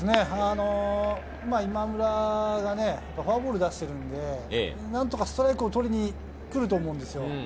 今村がフォアボールを出しているので、なんとかストライクを取りに来ると思うんですよ。